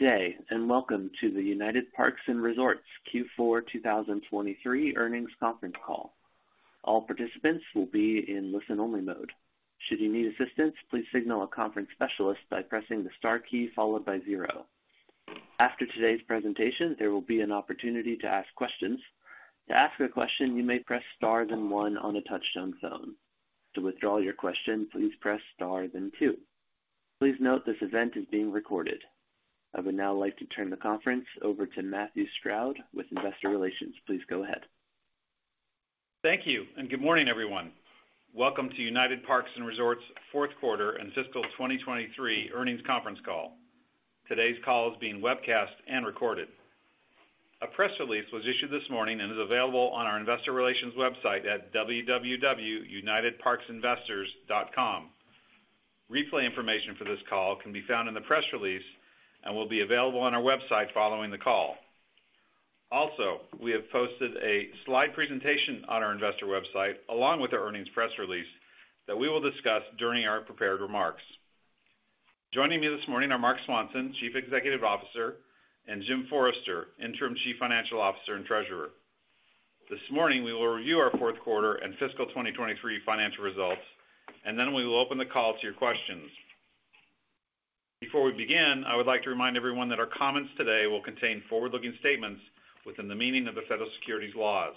Good day and welcome to the United Parks & Resorts Q4 2023 Earnings Conference Call. All participants will be in listen-only mode. Should you need assistance, please signal a conference specialist by pressing the star key followed by zero. After today's presentation, there will be an opportunity to ask questions. To ask a question, you may press star then one on a touch-tone phone. To withdraw your question, please press star then two. Please note this event is being recorded. I would now like to turn the conference over to Matthew Stroud with Investor Relations. Please go ahead. Thank you and good morning, everyone. Welcome to United Parks & Resorts' fourth quarter and fiscal 2023 earnings conference call. Today's call is being webcast and recorded. A press release was issued this morning and is available on our Investor Relations website at www.unitedparksinvestors.com. Replay information for this call can be found in the press release and will be available on our website following the call. Also, we have posted a slide presentation on our investor website along with our earnings press release that we will discuss during our prepared remarks. Joining me this morning are Marc Swanson, Chief Executive Officer, and Jim Forrester, Interim Chief Financial Officer and Treasurer. This morning, we will review our fourth quarter and fiscal 2023 financial results, and then we will open the call to your questions. Before we begin, I would like to remind everyone that our comments today will contain forward-looking statements within the meaning of the federal securities laws.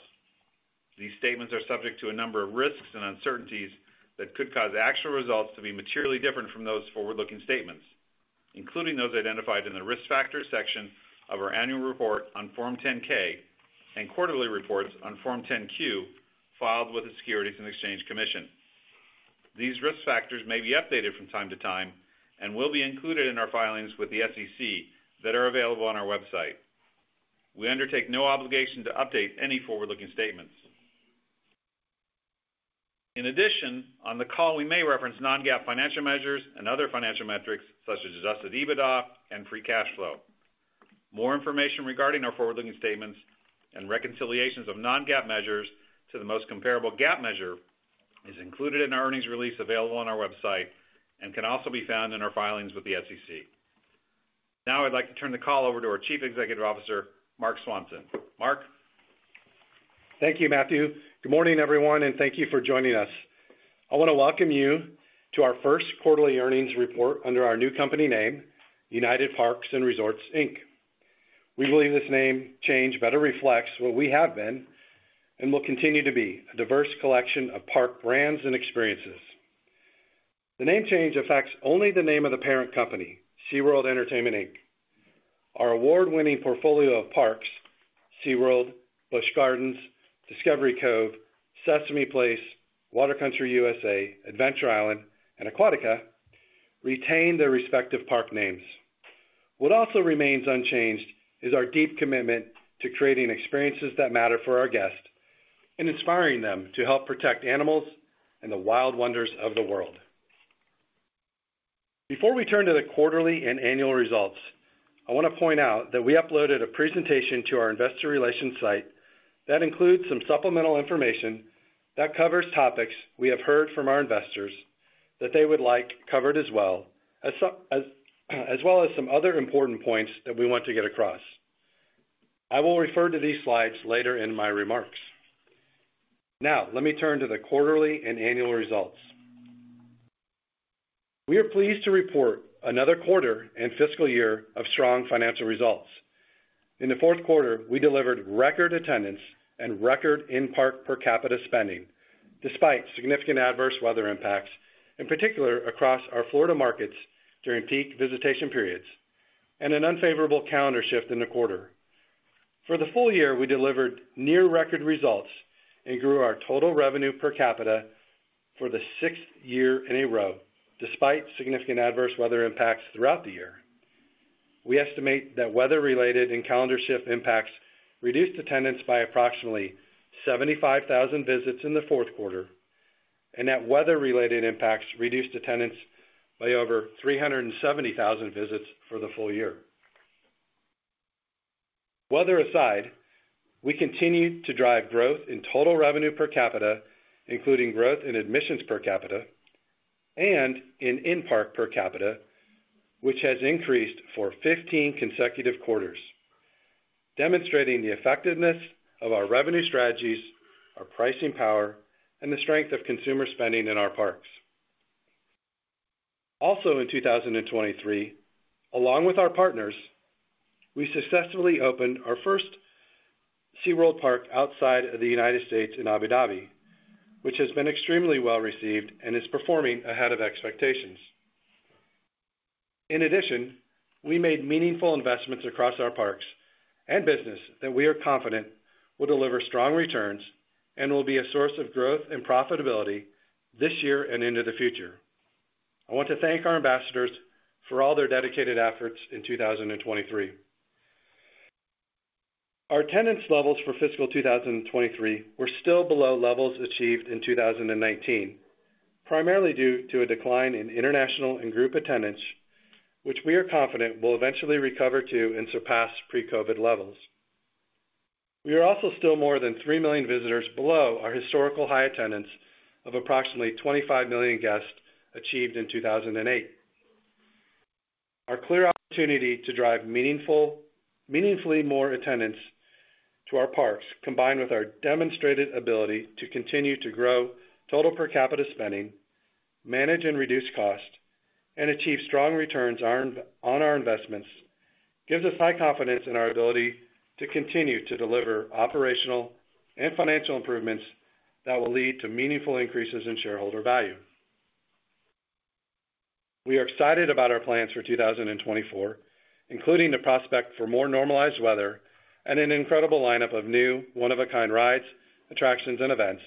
These statements are subject to a number of risks and uncertainties that could cause actual results to be materially different from those forward-looking statements, including those identified in the risk factors section of our annual report on Form 10-K and quarterly reports on Form 10-Q filed with the Securities and Exchange Commission. These risk factors may be updated from time to time and will be included in our filings with the SEC that are available on our website. We undertake no obligation to update any forward-looking statements. In addition, on the call, we may reference non-GAAP financial measures and other financial metrics such as Adjusted EBITDA and free cash flow. More information regarding our forward-looking statements and reconciliations of non-GAAP measures to the most comparable GAAP measure is included in our earnings release available on our website and can also be found in our filings with the SEC. Now I'd like to turn the call over to our Chief Executive Officer, Marc Swanson. Marc. Thank you, Matthew. Good morning, everyone, and thank you for joining us. I want to welcome you to our first quarterly earnings report under our new company name, United Parks & Resorts, Inc. We believe this name change better reflects what we have been and will continue to be: a diverse collection of park brands and experiences. The name change affects only the name of the parent company, SeaWorld Entertainment, Inc. Our award-winning portfolio of parks, SeaWorld, Busch Gardens, Discovery Cove, Sesame Place, Water Country USA, Adventure Island, and Aquatica, retain their respective park names. What also remains unchanged is our deep commitment to creating experiences that matter for our guests and inspiring them to help protect animals and the wild wonders of the world. Before we turn to the quarterly and annual results, I want to point out that we uploaded a presentation to our Investor Relations site that includes some supplemental information that covers topics we have heard from our investors that they would like covered as well, as well as some other important points that we want to get across. I will refer to these slides later in my remarks. Now, let me turn to the quarterly and annual results. We are pleased to report another quarter and fiscal year of strong financial results. In the fourth quarter, we delivered record attendance and record in-park per capita spending despite significant adverse weather impacts, in particular across our Florida markets during peak visitation periods and an unfavorable calendar shift in the quarter. For the full year, we delivered near-record results and grew our total revenue per capita for the sixth year in a row despite significant adverse weather impacts throughout the year. We estimate that weather-related and calendar shift impacts reduced attendance by approximately 75,000 visits in the fourth quarter and that weather-related impacts reduced attendance by over 370,000 visits for the full year. Weather aside, we continue to drive growth in total revenue per capita, including growth in admissions per capita and in in-park per capita, which has increased for 15 consecutive quarters, demonstrating the effectiveness of our revenue strategies, our pricing power, and the strength of consumer spending in our parks. Also in 2023, along with our partners, we successfully opened our first SeaWorld park outside of the United States in Abu Dhabi, which has been extremely well received and is performing ahead of expectations. In addition, we made meaningful investments across our parks and business that we are confident will deliver strong returns and will be a source of growth and profitability this year and into the future. I want to thank our ambassadors for all their dedicated efforts in 2023. Our attendance levels for fiscal 2023 were still below levels achieved in 2019, primarily due to a decline in international and group attendance, which we are confident will eventually recover to and surpass pre-COVID levels. We are also still more than three million visitors below our historical high attendance of approximately 25 million guests achieved in 2008. Our clear opportunity to drive meaningfully more attendance to our parks, combined with our demonstrated ability to continue to grow total per capita spending, manage and reduce costs, and achieve strong returns on our investments, gives us high confidence in our ability to continue to deliver operational and financial improvements that will lead to meaningful increases in shareholder value. We are excited about our plans for 2024, including the prospect for more normalized weather and an incredible lineup of new one-of-a-kind rides, attractions, and events,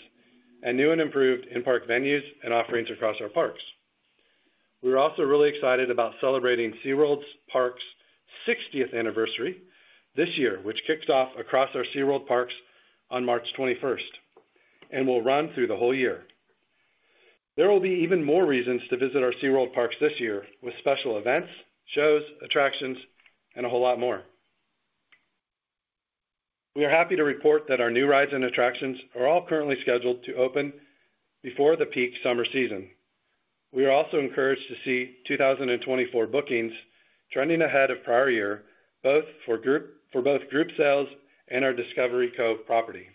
and new and improved in-park venues and offerings across our parks. We are also really excited about celebrating SeaWorld's parks' 60th anniversary this year, which kicked off across our SeaWorld parks on March 21st and will run through the whole year. There will be even more reasons to visit our SeaWorld parks this year with special events, shows, attractions, and a whole lot more. We are happy to report that our new rides and attractions are all currently scheduled to open before the peak summer season. We are also encouraged to see 2024 bookings trending ahead of prior year, both for both group sales and our Discovery Cove property.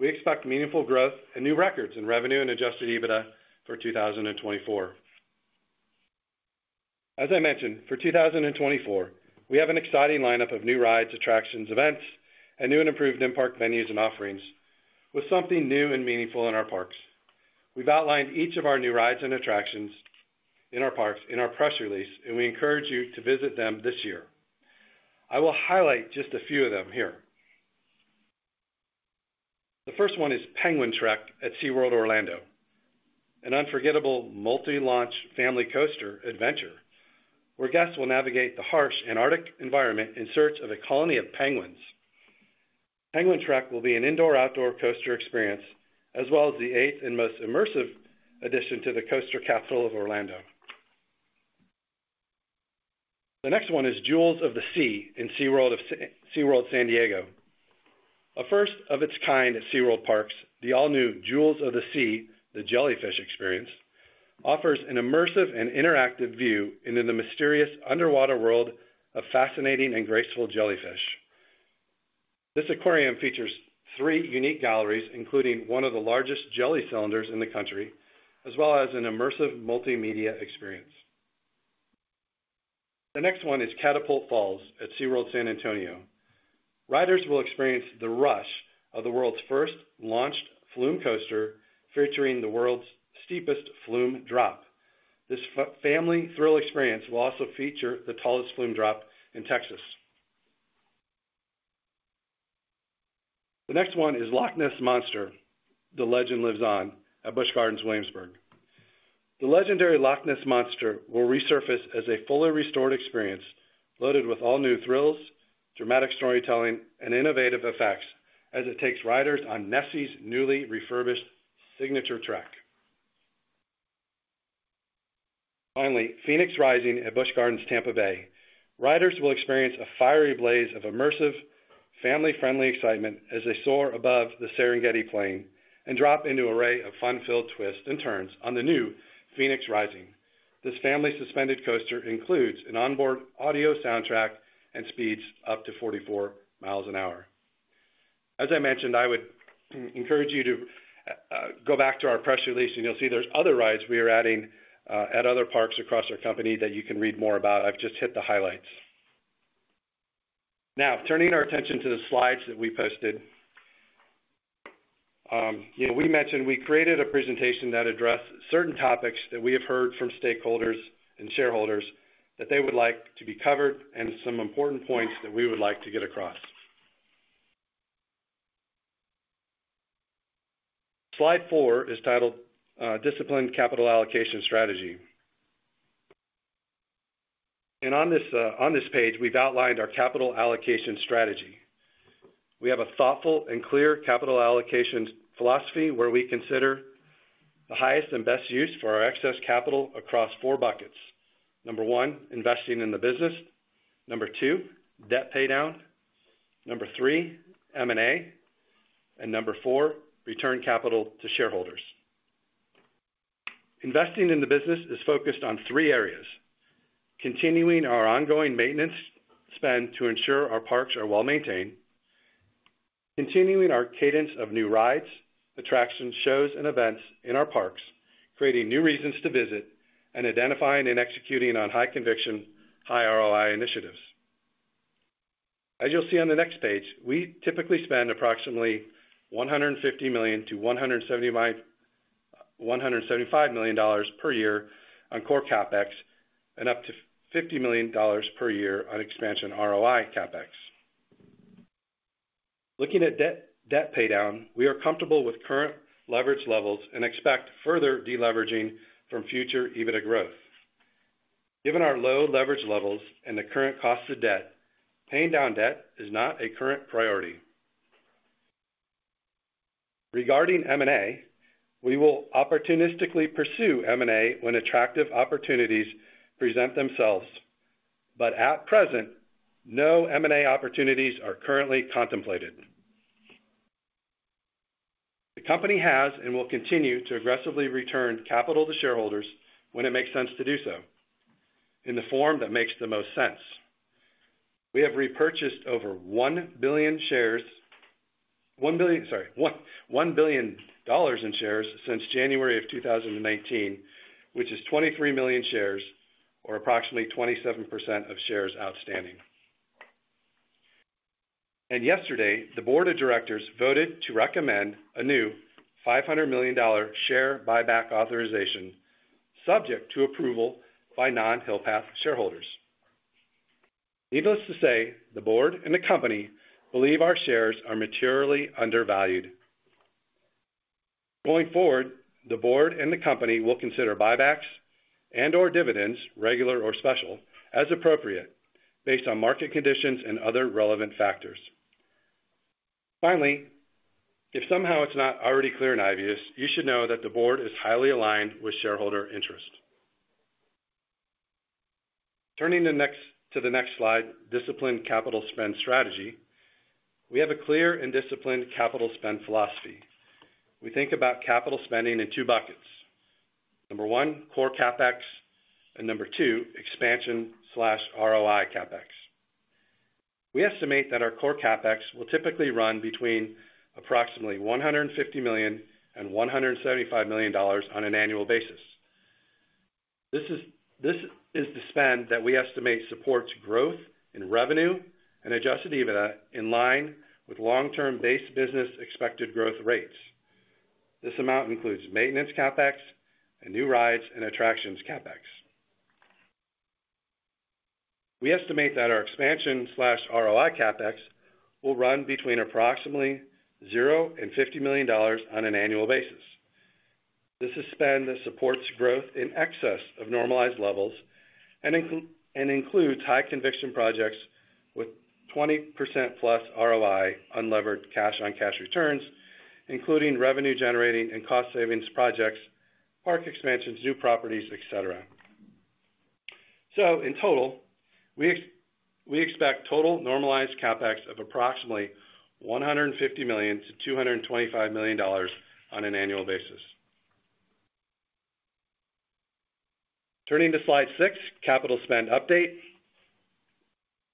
We expect meaningful growth and new records in revenue and Adjusted EBITDA for 2024. As I mentioned, for 2024, we have an exciting lineup of new rides, attractions, events, and new and improved in-park venues and offerings with something new and meaningful in our parks. We've outlined each of our new rides and attractions in our parks in our press release, and we encourage you to visit them this year. I will highlight just a few of them here. The first one is Penguin Trek at SeaWorld Orlando, an unforgettable multi-launch family coaster adventure where guests will navigate the harsh Antarctic environment in search of a colony of penguins. Penguin Trek will be an indoor-outdoor coaster experience as well as the eighth and most immersive addition to the coaster capital of Orlando. The next one is Jewels of the Sea in SeaWorld San Diego. A first of its kind at SeaWorld parks, the all-new Jewels of the Sea, The Jellyfish Experience, offers an immersive and interactive view into the mysterious underwater world of fascinating and graceful jellyfish. This aquarium features three unique galleries, including one of the largest jelly cylinders in the country, as well as an immersive multimedia experience. The next one is Catapult Falls at SeaWorld San Antonio. Riders will experience the rush of the world's first launched flume coaster featuring the world's steepest flume drop. This family thrill experience will also feature the tallest flume drop in Texas. The next one is Loch Ness Monster, The Legend Lives On, at Busch Gardens Williamsburg. The legendary Loch Ness Monster will resurface as a fully restored experience loaded with all-new thrills, dramatic storytelling, and innovative effects as it takes riders on Nessie's newly refurbished signature trek. Finally, Phoenix Rising at Busch Gardens Tampa Bay. Riders will experience a fiery blaze of immersive, family-friendly excitement as they soar above the Serengeti Plain and drop into a ray of fun-filled twists and turns on the new Phoenix Rising. This family suspended coaster includes an onboard audio soundtrack and speeds up to 44 miles an hour. As I mentioned, I would encourage you to go back to our press release, and you'll see there's other rides we are adding at other parks across our company that you can read more about. I've just hit the highlights. Now, turning our attention to the slides that we posted. We mentioned we created a presentation that addressed certain topics that we have heard from stakeholders and shareholders that they would like to be covered and some important points that we would like to get across. Slide 4 is titled Discipline Capital Allocation Strategy. On this page, we've outlined our capital allocation strategy. We have a thoughtful and clear capital allocation philosophy where we consider the highest and best use for our excess capital across 4 buckets: number 1, investing in the business; number 2, debt paydown; number 3, M&A; and number 4, return capital to shareholders. Investing in the business is focused on three areas: continuing our ongoing maintenance spend to ensure our parks are well maintained, continuing our cadence of new rides, attractions, shows, and events in our parks, creating new reasons to visit, and identifying and executing on high conviction, high ROI initiatives. As you'll see on the next page, we typically spend approximately $150 million-$175 million per year on core CapEx and up to $50 million per year on expansion ROI CapEx. Looking at debt paydown, we are comfortable with current leverage levels and expect further deleveraging from future EBITDA growth. Given our low leverage levels and the current cost of debt, paying down debt is not a current priority. Regarding M&A, we will opportunistically pursue M&A when attractive opportunities present themselves. But at present, no M&A opportunities are currently contemplated. The company has and will continue to aggressively return capital to shareholders when it makes sense to do so in the form that makes the most sense. We have repurchased over $1 billion shares sorry, $1 billion in shares since January of 2019, which is 23 million shares or approximately 27% of shares outstanding. Yesterday, the board of directors voted to recommend a new $500 million share buyback authorization subject to approval by non-Hill Path shareholders. Needless to say, the board and the company believe our shares are materially undervalued. Going forward, the board and the company will consider buybacks and/or dividends, regular or special, as appropriate based on market conditions and other relevant factors. Finally, if somehow it's not already clear and obvious, you should know that the board is highly aligned with shareholder interest. Turning to the next slide, Disciplined Capital Spend Strategy. We have a clear and disciplined capital spend philosophy. We think about capital spending in two buckets: number one, core CapEx, and number two, expansion/ROI CapEx. We estimate that our core CapEx will typically run between approximately $150 million-$175 million on an annual basis. This is the spend that we estimate supports growth in revenue and Adjusted EBITDA in line with long-term base business expected growth rates. This amount includes maintenance CapEx and new rides and attractions CapEx. We estimate that our expansion/ROI CapEx will run between approximately $0-$50 million on an annual basis. This is spend that supports growth in excess of normalized levels and includes high conviction projects with 20%+ ROI unlevered cash-on-cash returns, including revenue-generating and cost-savings projects, park expansions, new properties, etc. So in total, we expect total normalized CapEx of approximately $150 million-$225 million on an annual basis. Turning to Slide 6, Capital Spend Update.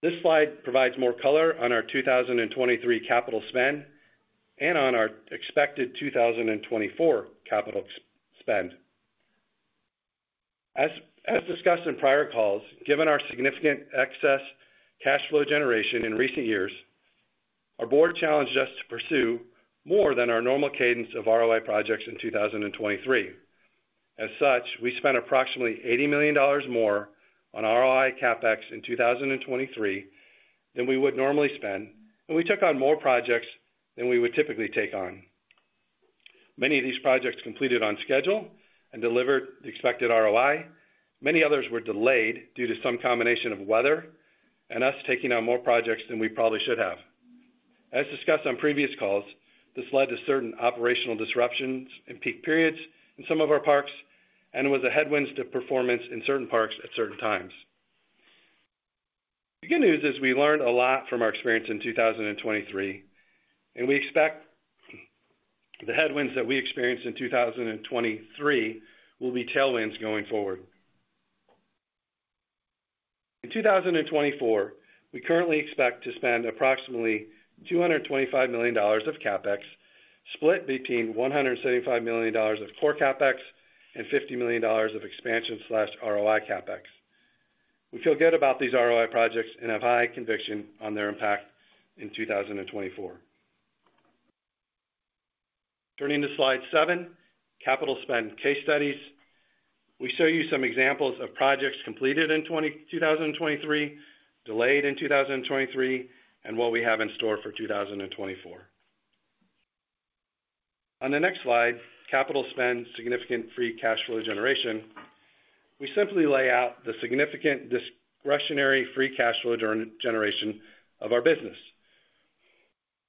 This slide provides more color on our 2023 capital spend and on our expected 2024 capital spend. As discussed in prior calls, given our significant excess cash flow generation in recent years, our board challenged us to pursue more than our normal cadence of ROI projects in 2023. As such, we spent approximately $80 million more on ROI CapEx in 2023 than we would normally spend, and we took on more projects than we would typically take on. Many of these projects completed on schedule and delivered the expected ROI. Many others were delayed due to some combination of weather and us taking on more projects than we probably should have. As discussed on previous calls, this led to certain operational disruptions in peak periods in some of our parks and was a headwind to performance in certain parks at certain times. The good news is we learned a lot from our experience in 2023, and we expect the headwinds that we experienced in 2023 will be tailwinds going forward. In 2024, we currently expect to spend approximately $225 million of CapEx split between $175 million of core CapEx and $50 million of expansion/ROI CapEx. We feel good about these ROI projects and have high conviction on their impact in 2024. Turning to Slide 7, Capital Spend Case Studies. We show you some examples of projects completed in 2023, delayed in 2023, and what we have in store for 2024. On the next slide, Capital Spend Significant Free Cash Flow Generation. We simply lay out the significant discretionary free cash flow generation of our business.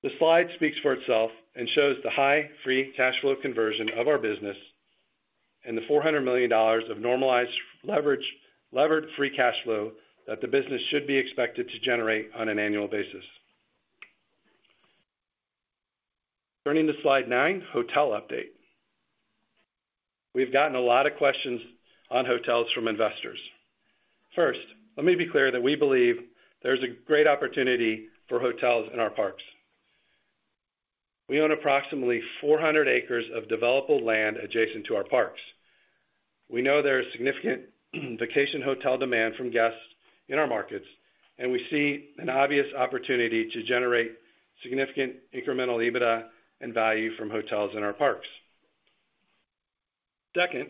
The slide speaks for itself and shows the high free cash flow conversion of our business and the $400 million of normalized leveraged free cash flow that the business should be expected to generate on an annual basis. Turning to Slide 9, Hotel Update. We've gotten a lot of questions on hotels from investors. First, let me be clear that we believe there's a great opportunity for hotels in our parks. We own approximately 400 acres of developable land adjacent to our parks. We know there is significant vacation hotel demand from guests in our markets, and we see an obvious opportunity to generate significant incremental EBITDA and value from hotels in our parks. Second,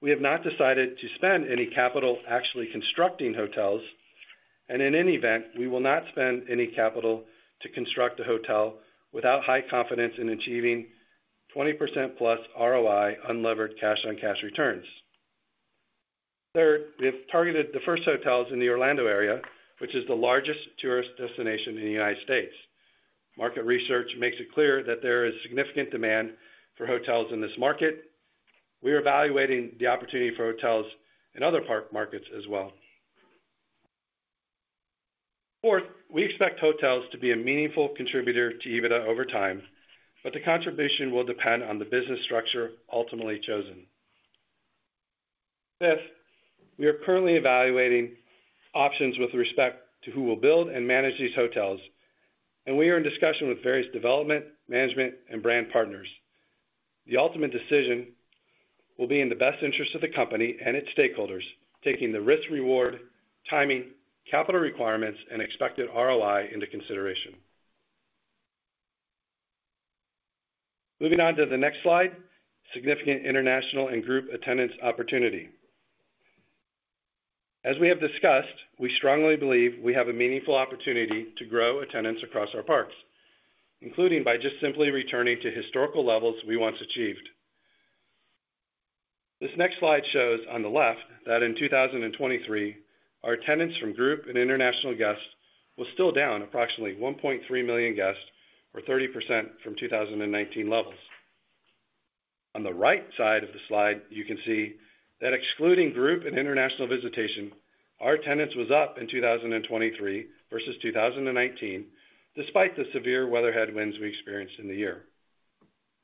we have not decided to spend any capital actually constructing hotels, and in any event, we will not spend any capital to construct a hotel without high confidence in achieving 20%+ ROI unlevered cash-on-cash returns. Third, we have targeted the first hotels in the Orlando area, which is the largest tourist destination in the United States. Market research makes it clear that there is significant demand for hotels in this market. We are evaluating the opportunity for hotels in other park markets as well. Fourth, we expect hotels to be a meaningful contributor to EBITDA over time, but the contribution will depend on the business structure ultimately chosen. Fifth, we are currently evaluating options with respect to who will build and manage these hotels, and we are in discussion with various development, management, and brand partners. The ultimate decision will be in the best interest of the company and its stakeholders, taking the risk-reward, timing, capital requirements, and expected ROI into consideration. Moving on to the next slide, Significant International and Group Attendance Opportunity. As we have discussed, we strongly believe we have a meaningful opportunity to grow attendance across our parks, including by just simply returning to historical levels we once achieved. This next slide shows on the left that in 2023, our attendance from group and international guests was still down approximately 1.3 million guests, or 30% from 2019 levels. On the right side of the slide, you can see that excluding group and international visitation, our attendance was up in 2023 versus 2019 despite the severe weather headwinds we experienced in the year.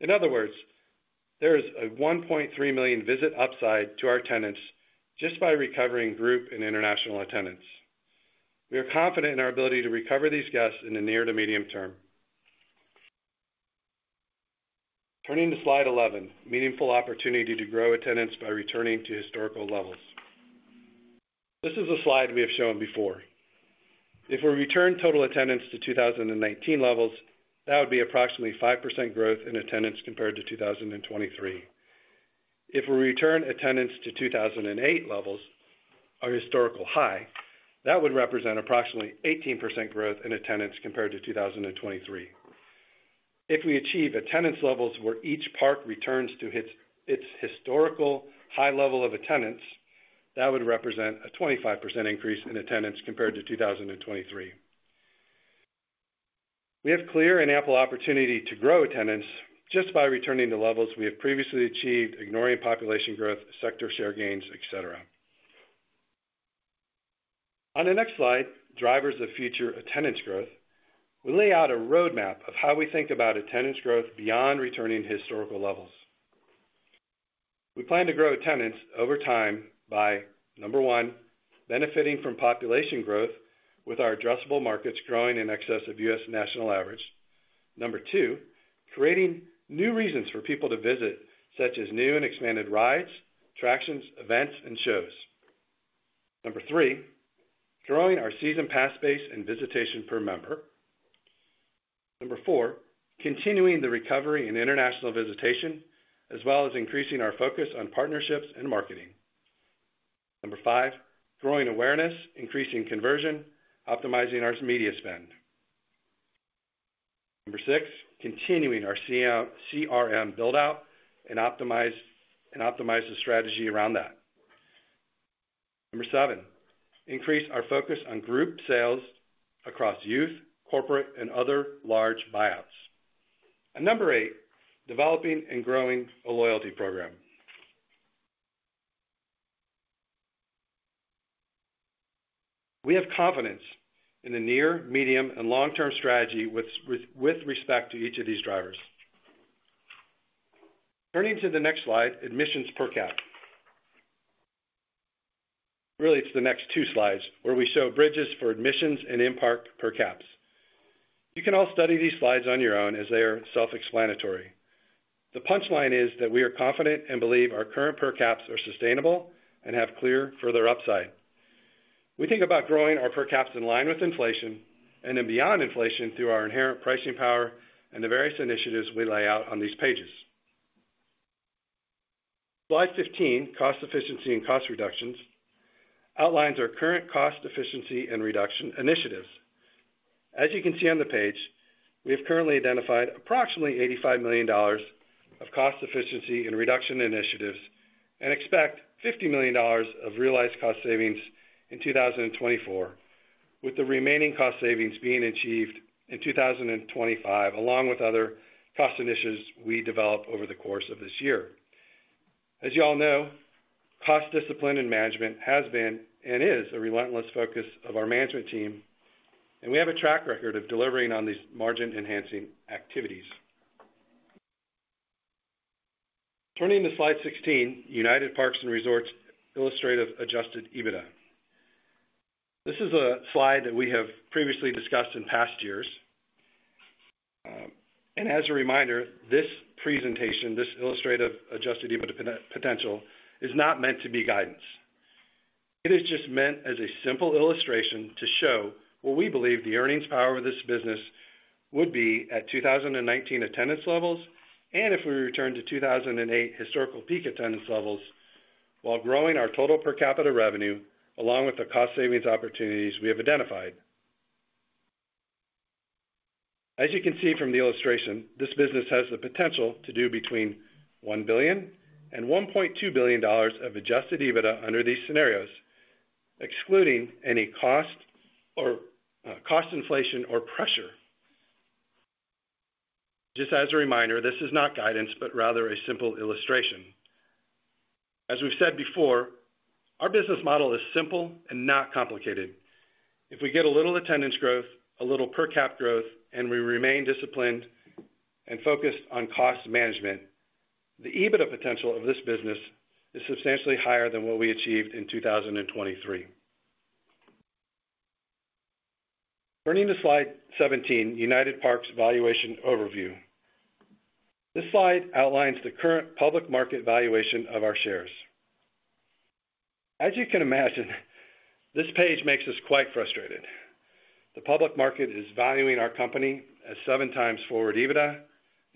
In other words, there is a 1.3 million visit upside to our attendance just by recovering group and international attendance. We are confident in our ability to recover these guests in the near to medium term. Turning to Slide 11, Meaningful Opportunity to Grow Attendance by Returning to Historical Levels. This is a slide we have shown before. If we return total attendance to 2019 levels, that would be approximately 5% growth in attendance compared to 2023. If we return attendance to 2008 levels, our historical high, that would represent approximately 18% growth in attendance compared to 2023. If we achieve attendance levels where each park returns to its historical high level of attendance, that would represent a 25% increase in attendance compared to 2023. We have clear and ample opportunity to grow attendance just by returning to levels we have previously achieved, ignoring population growth, sector share gains, etc. On the next slide, Drivers of Future Attendance Growth. We lay out a roadmap of how we think about attendance growth beyond returning to historical levels. We plan to grow attendance over time by, number 1, benefiting from population growth with our addressable markets growing in excess of U.S. national average. Number 2, creating new reasons for people to visit, such as new and expanded rides, attractions, events, and shows. Number 3, growing our season pass base and visitation per member. Number 4, continuing the recovery in international visitation, as well as increasing our focus on partnerships and marketing. Number 5, growing awareness, increasing conversion, optimizing our media spend. Number 6, continuing our CRM buildout and optimize the strategy around that. Number 7, increase our focus on group sales across youth, corporate, and other large buyouts. And number 8, developing and growing a loyalty program. We have confidence in the near, medium, and long-term strategy with respect to each of these drivers. Turning to the next slide, Admissions Per Cap. Really, it's the next two slides where we show bridges for admissions and in-park per caps. You can all study these slides on your own as they are self-explanatory. The punchline is that we are confident and believe our current per caps are sustainable and have clear further upside. We think about growing our per caps in line with inflation and then beyond inflation through our inherent pricing power and the various initiatives we lay out on these pages. Slide 15, Cost Efficiency and Cost Reductions, outlines our current cost efficiency and reduction initiatives. As you can see on the page, we have currently identified approximately $85 million of cost efficiency and reduction initiatives and expect $50 million of realized cost savings in 2024, with the remaining cost savings being achieved in 2025 along with other cost initiatives we develop over the course of this year. As you all know, cost discipline and management has been and is a relentless focus of our management team, and we have a track record of delivering on these margin-enhancing activities. Turning to Slide 16, United Parks & Resorts Illustrative Adjusted EBITDA. This is a slide that we have previously discussed in past years. As a reminder, this presentation, this illustrative Adjusted EBITDA potential, is not meant to be guidance. It is just meant as a simple illustration to show what we believe the earnings power of this business would be at 2019 attendance levels and if we return to 2008 historical peak attendance levels while growing our total per capita revenue along with the cost savings opportunities we have identified. As you can see from the illustration, this business has the potential to do between $1 billion and $1.2 billion of Adjusted EBITDA under these scenarios, excluding any cost inflation or pressure. Just as a reminder, this is not guidance but rather a simple illustration. As we've said before, our business model is simple and not complicated. If we get a little attendance growth, a little per cap growth, and we remain disciplined and focused on cost management, the EBITDA potential of this business is substantially higher than what we achieved in 2023. Turning to Slide 17, United Parks Valuation Overview. This slide outlines the current public market valuation of our shares. As you can imagine, this page makes us quite frustrated. The public market is valuing our company as 7x forward EBITDA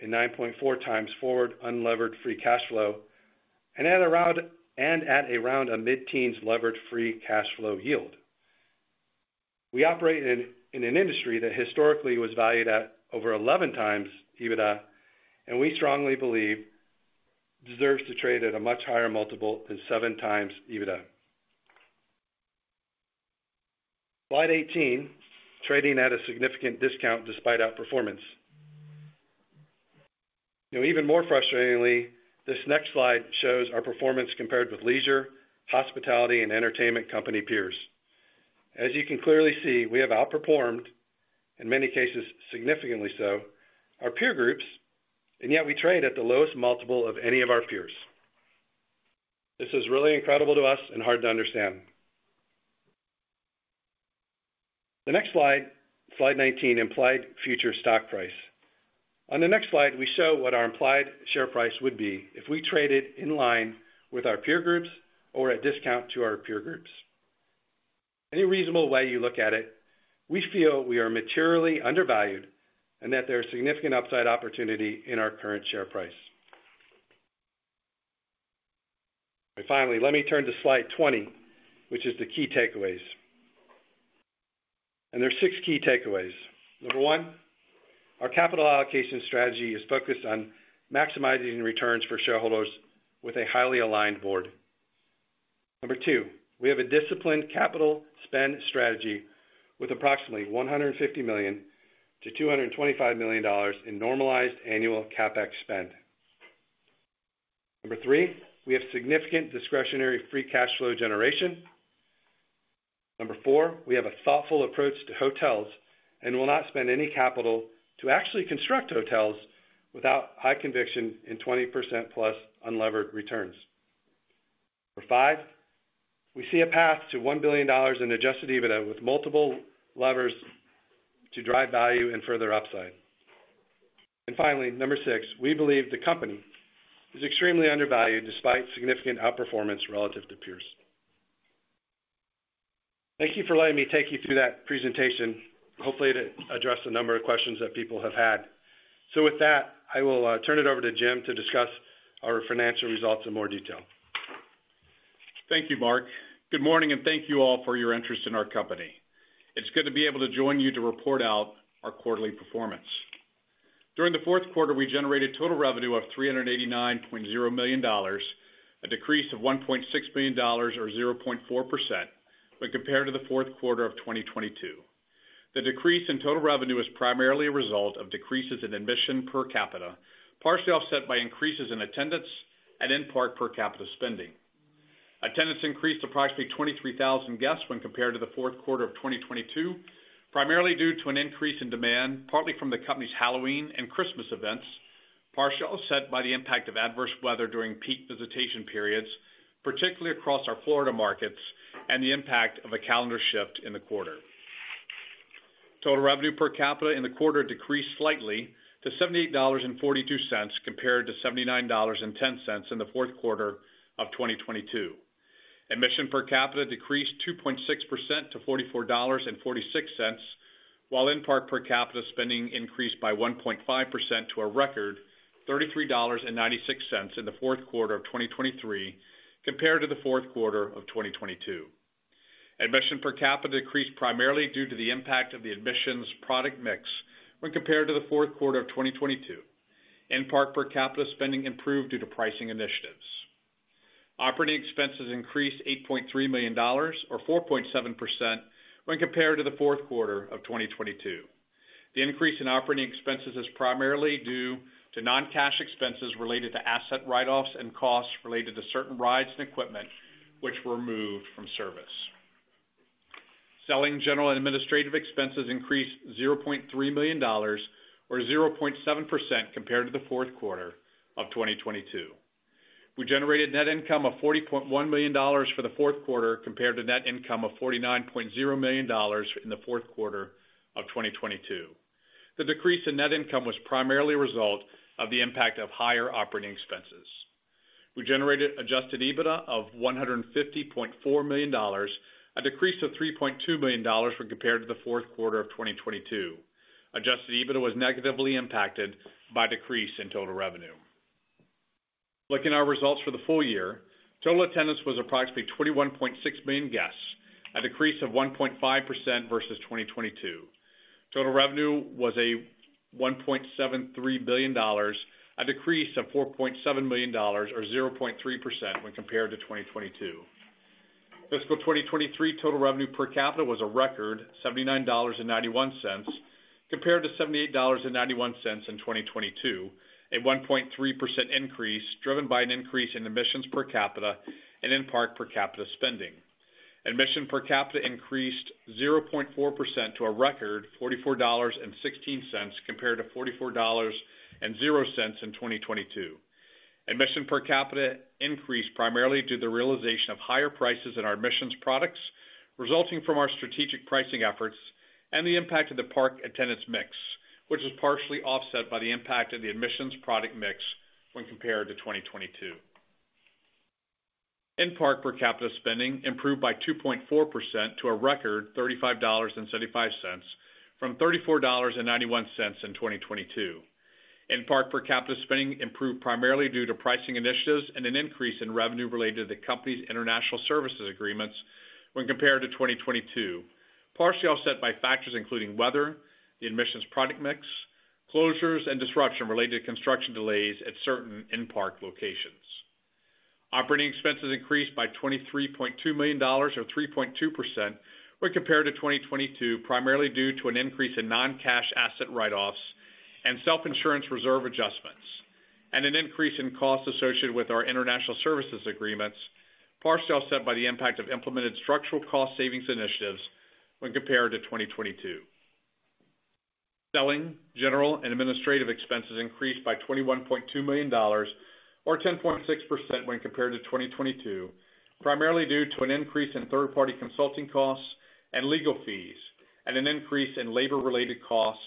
and 9.4x forward unlevered free cash flow and at around a mid-teens levered free cash flow yield. We operate in an industry that historically was valued at over 11x EBITDA, and we strongly believe it deserves to trade at a much higher multiple than 7x EBITDA. Slide 18, Trading at a Significant Discount Despite Outperformance. Even more frustratingly, this next slide shows our performance compared with leisure, hospitality, and entertainment company peers. As you can clearly see, we have outperformed, in many cases significantly so, our peer groups, and yet we trade at the lowest multiple of any of our peers. This is really incredible to us and hard to understand. The next slide, Slide 19, Implied Future Stock Price. On the next slide, we show what our implied share price would be if we traded in line with our peer groups or at discount to our peer groups. In any reasonable way you look at it, we feel we are materially undervalued and that there is significant upside opportunity in our current share price. Finally, let me turn to Slide 20, which is the Key Takeaways. There are six key takeaways. Number one, our capital allocation strategy is focused on maximizing returns for shareholders with a highly aligned board. Number two, we have a disciplined capital spend strategy with approximately $150 million-$225 million in normalized annual CapEx spend. Number three, we have significant discretionary free cash flow generation. Number 4, we have a thoughtful approach to hotels and will not spend any capital to actually construct hotels without high conviction in 20%+ unlevered returns. Number 5, we see a path to $1 billion in Adjusted EBITDA with multiple levers to drive value and further upside. And finally, number 6, we believe the company is extremely undervalued despite significant outperformance relative to peers. Thank you for letting me take you through that presentation, hopefully to address a number of questions that people have had. So with that, I will turn it over to Jim to discuss our financial results in more detail. Thank you, Marc. Good morning, and thank you all for your interest in our company. It's good to be able to join you to report out our quarterly performance. During the fourth quarter, we generated total revenue of $389.0 million, a decrease of $1.6 million, or 0.4%, when compared to the fourth quarter of 2022. The decrease in total revenue is primarily a result of decreases in admission per capita, partially offset by increases in attendance and in-park per capita spending. Attendance increased approximately 23,000 guests when compared to the fourth quarter of 2022, primarily due to an increase in demand, partly from the company's Halloween and Christmas events, partially offset by the impact of adverse weather during peak visitation periods, particularly across our Florida markets, and the impact of a calendar shift in the quarter. Total revenue per capita in the quarter decreased slightly to $78.42 compared to $79.10 in the fourth quarter of 2022. Admission per capita decreased 2.6% to $44.46, while in-park per capita spending increased by 1.5% to a record of $33.96 in the fourth quarter of 2023 compared to the fourth quarter of 2022. Admission per capita decreased primarily due to the impact of the admissions product mix when compared to the fourth quarter of 2022. In-park per capita spending improved due to pricing initiatives. Operating expenses increased $8.3 million, or 4.7%, when compared to the fourth quarter of 2022. The increase in operating expenses is primarily due to non-cash expenses related to asset write-offs and costs related to certain rides and equipment, which were moved from service. Selling general and administrative expenses increased $0.3 million, or 0.7%, compared to the fourth quarter of 2022. We generated net income of $40.1 million for the fourth quarter compared to net income of $49.0 million in the fourth quarter of 2022. The decrease in net income was primarily a result of the impact of higher operating expenses. We generated Adjusted EBITDA of $150.4 million, a decrease of $3.2 million when compared to the fourth quarter of 2022. Adjusted EBITDA was negatively impacted by a decrease in total revenue. Looking at our results for the full year, total attendance was approximately 21.6 million guests, a decrease of 1.5% versus 2022. Total revenue was $1.73 billion, a decrease of $4.7 million, or 0.3%, when compared to 2022. Fiscal 2023 total revenue per capita was a record of $79.91 compared to $78.91 in 2022, a 1.3% increase driven by an increase in admissions per capita and in-park per capita spending. Admission per capita increased 0.4% to a record of $44.16 compared to $44.00 in 2022. Admission per capita increased primarily due to the realization of higher prices in our admissions products, resulting from our strategic pricing efforts, and the impact of the park attendance mix, which was partially offset by the impact of the admissions product mix when compared to 2022. In-park per capita spending improved by 2.4% to a record of $35.75 from $34.91 in 2022. In-park per capita spending improved primarily due to pricing initiatives and an increase in revenue related to the company's international services agreements when compared to 2022, partially offset by factors including weather, the admissions product mix, closures, and disruption related to construction delays at certain in-park locations. Operating expenses increased by $23.2 million, or 3.2%, when compared to 2022, primarily due to an increase in non-cash asset write-offs and self-insurance reserve adjustments, and an increase in costs associated with our international services agreements, partially offset by the impact of implemented structural cost savings initiatives when compared to 2022. Selling general and administrative expenses increased by $21.2 million, or 10.6%, when compared to 2022, primarily due to an increase in third-party consulting costs and legal fees, and an increase in labor-related costs,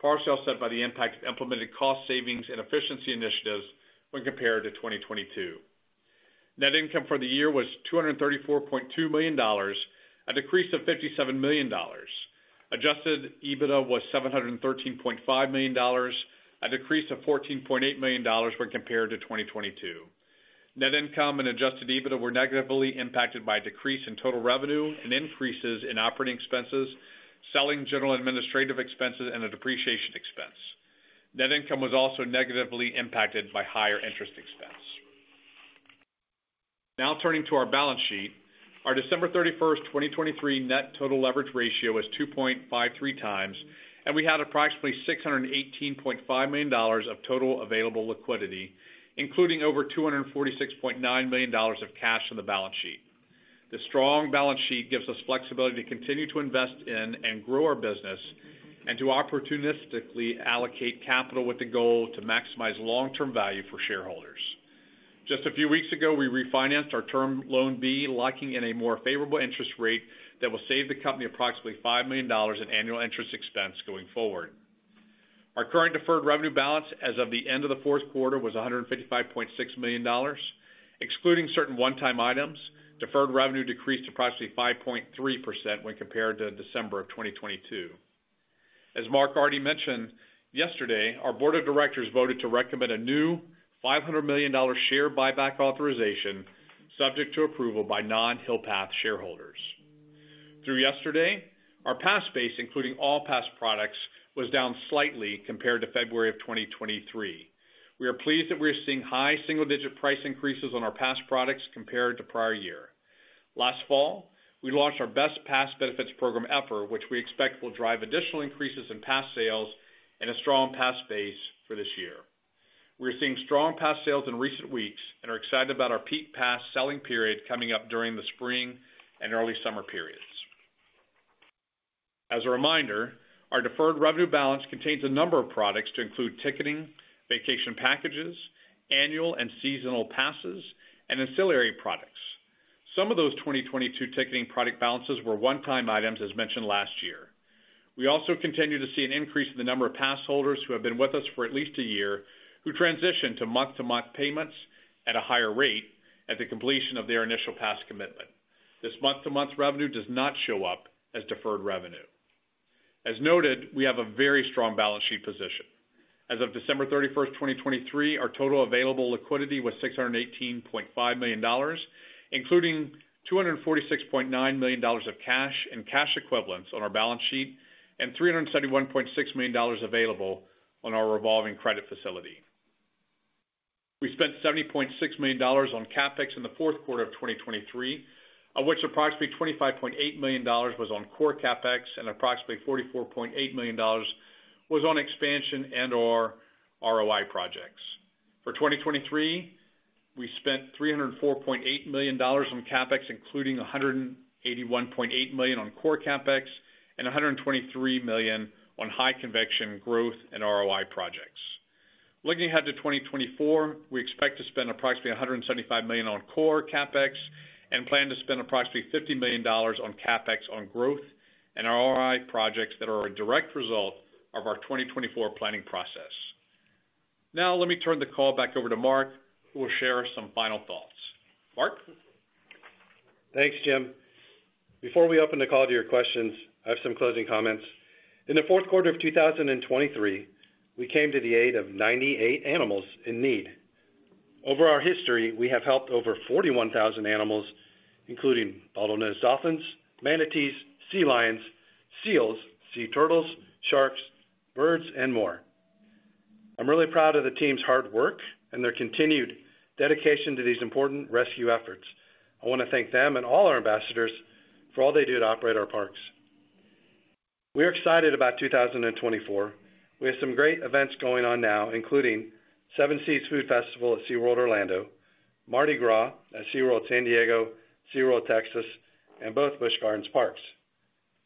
partially offset by the impact of implemented cost savings and efficiency initiatives when compared to 2022. Net income for the year was $234.2 million, a decrease of $57 million. Adjusted EBITDA was $713.5 million, a decrease of $14.8 million when compared to 2022. Net income and Adjusted EBITDA were negatively impacted by a decrease in total revenue and increases in operating expenses, selling general administrative expenses, and a depreciation expense. Net income was also negatively impacted by higher interest expense. Now turning to our balance sheet, our December 31, 2023, Net total leverage ratio is 2.53x, and we had approximately $618.5 million of total available liquidity, including over $246.9 million of cash on the balance sheet. This strong balance sheet gives us flexibility to continue to invest in and grow our business and to opportunistically allocate capital with the goal to maximize long-term value for shareholders. Just a few weeks ago, we refinanced our Term Loan B, locking in a more favorable interest rate that will save the company approximately $5 million in annual interest expense going forward. Our current deferred revenue balance as of the end of the fourth quarter was $155.6 million. Excluding certain one-time items, deferred revenue decreased approximately 5.3% when compared to December of 2022. As Marc already mentioned yesterday, our board of directors voted to recommend a new $500 million share buyback authorization subject to approval by non-Hill Path shareholders. Through yesterday, our pass base, including all pass products, was down slightly compared to February of 2023. We are pleased that we are seeing high single-digit price increases on our pass products compared to prior year. Last fall, we launched our best pass benefits program effort, which we expect will drive additional increases in pass sales and a strong pass base for this year. We are seeing strong pass sales in recent weeks and are excited about our peak pass selling period coming up during the spring and early summer periods. As a reminder, our deferred revenue balance contains a number of products to include ticketing, vacation packages, annual and seasonal passes, and ancillary products. Some of those 2022 ticketing product balances were one-time items, as mentioned last year. We also continue to see an increase in the number of passholders who have been with us for at least a year who transition to month-to-month payments at a higher rate at the completion of their initial pass commitment. This month-to-month revenue does not show up as deferred revenue. As noted, we have a very strong balance sheet position. As of December 31, 2023, our total available liquidity was $618.5 million, including $246.9 million of cash and cash equivalents on our balance sheet, and $371.6 million available on our revolving credit facility. We spent $70.6 million on CapEx in the fourth quarter of 2023, of which approximately $25.8 million was on core CapEx and approximately $44.8 million was on expansion and/or ROI projects. For 2023, we spent $304.8 million on CapEx, including $181.8 million on core CapEx and $123 million on high conviction growth and ROI projects. Looking ahead to 2024, we expect to spend approximately $175 million on core CapEx and plan to spend approximately $50 million on CapEx on growth and ROI projects that are a direct result of our 2024 planning process. Now, let me turn the call back over to Marc, who will share some final thoughts. Marc? Thanks, Jim. Before we open the call to your questions, I have some closing comments. In the fourth quarter of 2023, we came to the aid of 98 animals in need. Over our history, we have helped over 41,000 animals, including bottlenose dolphins, manatees, sea lions, seals, sea turtles, sharks, birds, and more. I'm really proud of the team's hard work and their continued dedication to these important rescue efforts. I want to thank them and all our ambassadors for all they do to operate our parks. We are excited about 2024. We have some great events going on now, including Seven Seas Food Festival at SeaWorld Orlando, Mardi Gras at SeaWorld San Diego, SeaWorld Texas, and both Busch Gardens parks.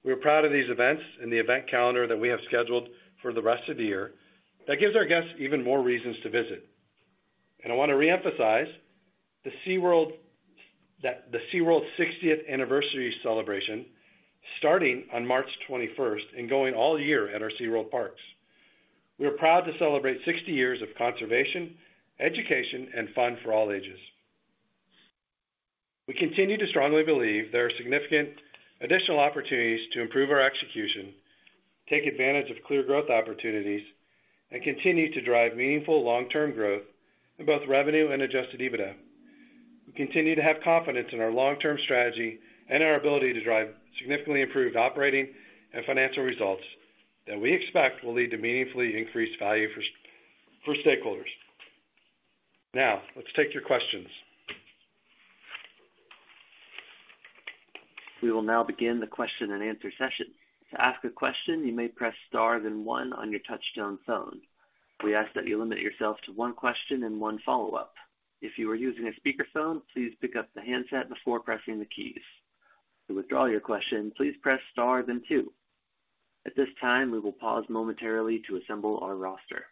We are proud of these events and the event calendar that we have scheduled for the rest of the year. That gives our guests even more reasons to visit. And I want to reemphasize the SeaWorld 60th anniversary celebration, starting on March 21 and going all year at our SeaWorld parks. We are proud to celebrate 60 years of conservation, education, and fun for all ages. We continue to strongly believe there are significant additional opportunities to improve our execution, take advantage of clear growth opportunities, and continue to drive meaningful long-term growth in both revenue and Adjusted EBITDA. We continue to have confidence in our long-term strategy and our ability to drive significantly improved operating and financial results that we expect will lead to meaningfully increased value for stakeholders. Now, let's take your questions. We will now begin the question-and-answer session. To ask a question, you may press star then one on your touch-tone phone. We ask that you limit yourself to one question and one follow-up. If you are using a speakerphone, please pick up the handset before pressing the keys. To withdraw your question, please press star then two. At this time, we will pause momentarily to assemble our roster.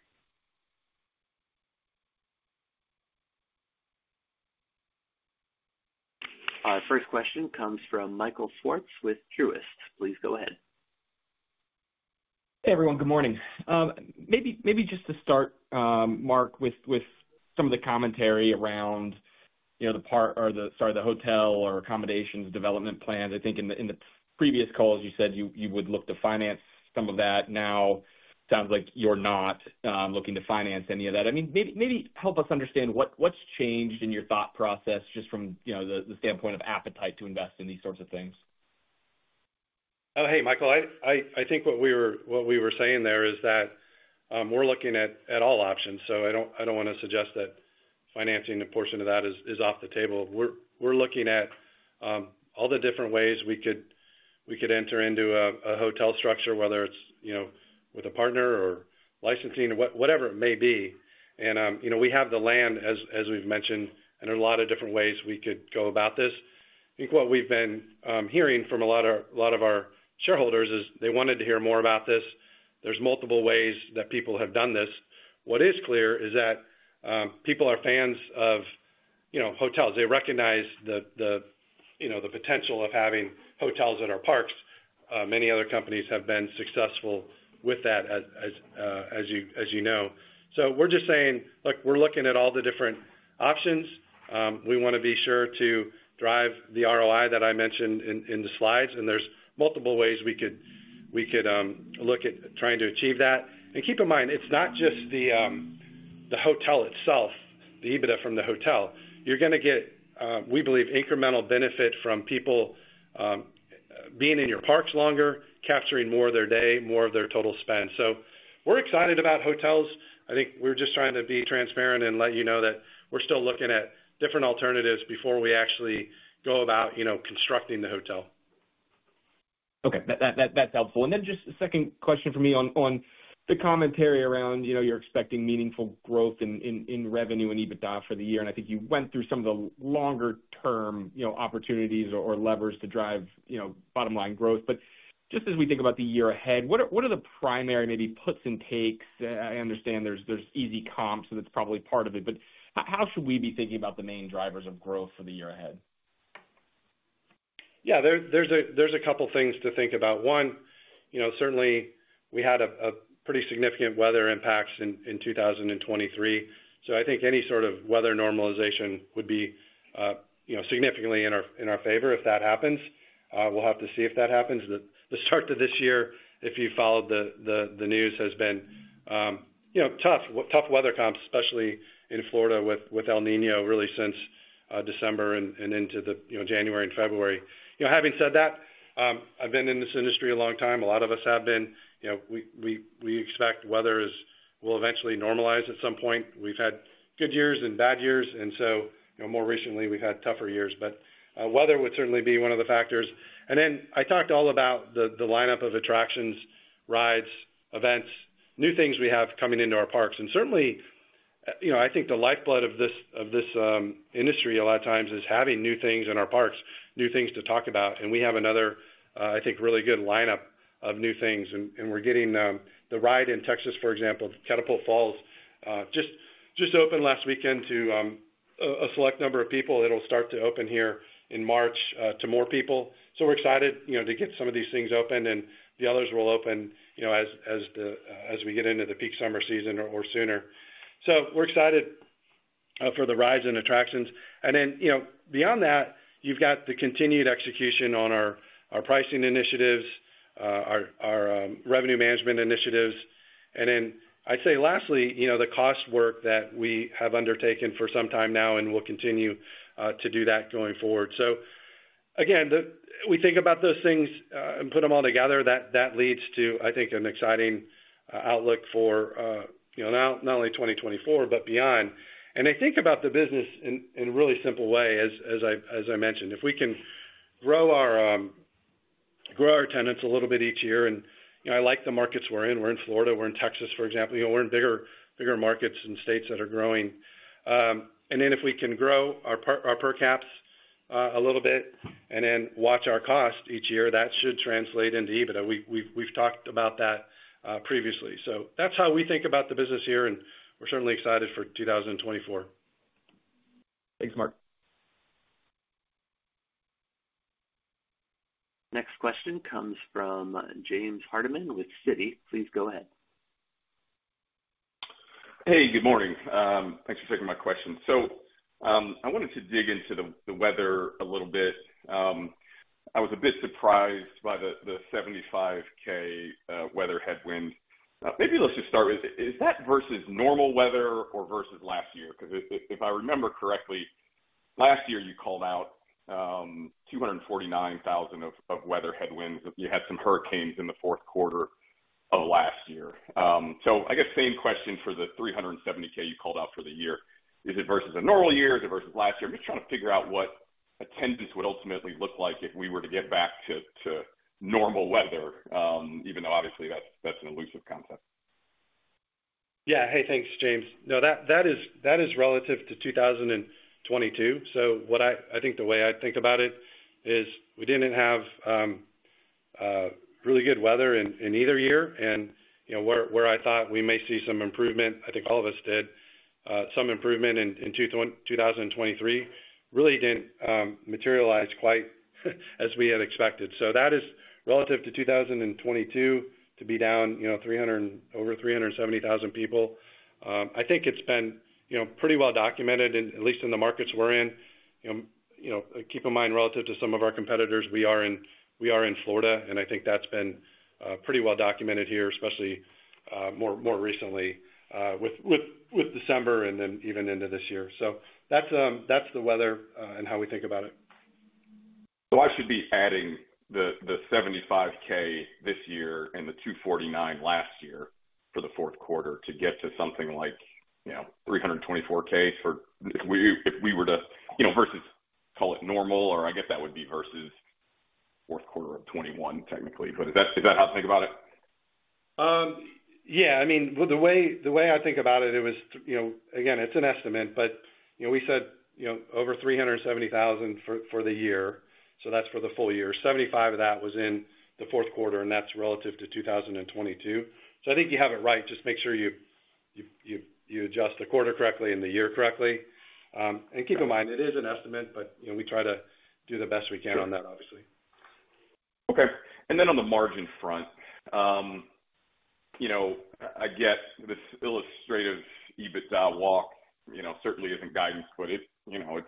Our first question comes from Michael Swartz with Truist. Please go ahead. Hey, everyone. Good morning. Maybe just to start, Marc, with some of the commentary around the part or the, sorry, the hotel or accommodations development plans. I think in the previous calls, you said you would look to finance some of that. Now, it sounds like you're not looking to finance any of that. I mean, maybe help us understand what's changed in your thought process just from the standpoint of appetite to invest in these sorts of things. Oh, hey, Michael. I think what we were saying there is that we're looking at all options. So I don't want to suggest that financing a portion of that is off the table. We're looking at all the different ways we could enter into a hotel structure, whether it's with a partner or licensing, whatever it may be. We have the land, as we've mentioned, and there are a lot of different ways we could go about this. I think what we've been hearing from a lot of our shareholders is they wanted to hear more about this. There's multiple ways that people have done this. What is clear is that people are fans of hotels. They recognize the potential of having hotels at our parks. Many other companies have been successful with that, as you know. So we're just saying, look, we're looking at all the different options. We want to be sure to drive the ROI that I mentioned in the slides. There's multiple ways we could look at trying to achieve that. Keep in mind, it's not just the hotel itself, the EBITDA from the hotel. You're going to get, we believe, incremental benefit from people being in your parks longer, capturing more of their day, more of their total spend. So we're excited about hotels. I think we're just trying to be transparent and let you know that we're still looking at different alternatives before we actually go about constructing the hotel. Okay. That's helpful. Then just a second question for me on the commentary around you're expecting meaningful growth in revenue and EBITDA for the year. And I think you went through some of the longer-term opportunities or levers to drive bottom-line growth. Just as we think about the year ahead, what are the primary, maybe, puts and takes? I understand there's easy comps, so that's probably part of it. But how should we be thinking about the main drivers of growth for the year ahead? Yeah. There's a couple of things to think about. One, certainly, we had pretty significant weather impacts in 2023. So I think any sort of weather normalization would be significantly in our favor if that happens. We'll have to see if that happens. The start of this year, if you followed the news, has been tough. Tough weather comps, especially in Florida with El Niño really since December and into January and February. Having said that, I've been in this industry a long time. A lot of us have been. We expect weather will eventually normalize at some point. We've had good years and bad years. And so more recently, we've had tougher years. But weather would certainly be one of the factors. Then I talked all about the lineup of attractions, rides, events, new things we have coming into our parks. Certainly, I think the lifeblood of this industry a lot of times is having new things in our parks, new things to talk about. We have another, I think, really good lineup of new things. We're getting the ride in Texas, for example, Catapult Falls, just opened last weekend to a select number of people. It'll start to open here in March to more people. So we're excited to get some of these things open. The others will open as we get into the peak summer season or sooner. So we're excited for the rides and attractions. Then beyond that, you've got the continued execution on our pricing initiatives, our revenue management initiatives. And then I'd say lastly, the cost work that we have undertaken for some time now, and we'll continue to do that going forward. So again, we think about those things and put them all together. That leads to, I think, an exciting outlook for not only 2024 but beyond. And I think about the business in a really simple way, as I mentioned. If we can grow our attendance a little bit each year and I like the markets we're in. We're in Florida. We're in Texas, for example. We're in bigger markets and states that are growing. And then if we can grow our per caps a little bit and then watch our cost each year, that should translate into EBITDA. We've talked about that previously. So that's how we think about the business here. And we're certainly excited for 2024. Thanks, Marc. Next question comes from James Hardiman with Citi. Please go ahead. Hey, good morning. Thanks for taking my question. So I wanted to dig into the weather a little bit. I was a bit surprised by the 75,000 weather headwind. Maybe let's just start with, is that versus normal weather or versus last year? Because if I remember correctly, last year, you called out 249,000 of weather headwinds. You had some hurricanes in the fourth quarter of last year. So I guess same question for the 370,000 you called out for the year. Is it versus a normal year? Is it versus last year? I'm just trying to figure out what attendance would ultimately look like if we were to get back to normal weather, even though obviously, that's an elusive concept. Yeah. Hey, thanks, James. No, that is relative to 2022. So I think the way I'd think about it is we didn't have really good weather in either year. And where I thought we may see some improvement, I think all of us did, some improvement in 2023 really didn't materialize quite as we had expected. So that is relative to 2022 to be down over 370,000 people. I think it's been pretty well documented, at least in the markets we're in. Keep in mind, relative to some of our competitors, we are in Florida. And I think that's been pretty well documented here, especially more recently with December and then even into this year. So that's the weather and how we think about it. So I should be adding the 75,000 this year and the 249,000 last year for the fourth quarter to get to something like 324,000 if we were to versus call it normal, or I guess that would be versus fourth quarter of 2021, technically. But is that how to think about it? Yeah. I mean, the way I think about it, it was again, it's an estimate. But we said over 370,000 for the year. So that's for the full year. 75,000 of that was in the fourth quarter, and that's relative to 2022. So I think you have it right. Just make sure you adjust the quarter correctly and the year correctly. And keep in mind, it is an estimate, but we try to do the best we can on that, obviously. Okay. And then on the margin front, I get this illustrative EBITDA walk. Certainly isn't guidance, but it would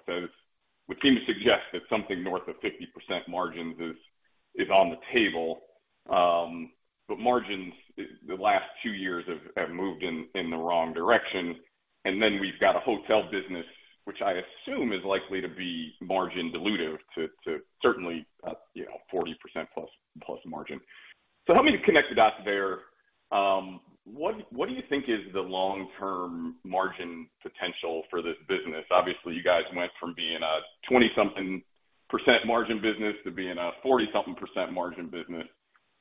seem to suggest that something north of 50% margins is on the table. But margins, the last two years have moved in the wrong direction. And then we've got a hotel business, which I assume is likely to be margin dilutive to certainly 40% plus margin. So help me connect the dots there. What do you think is the long-term margin potential for this business? Obviously, you guys went from being a 20-something% margin business to being a 40-something% margin business.